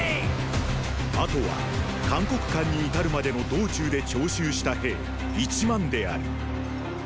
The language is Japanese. あとは函谷関に至るまでの道中で徴集した兵一万である。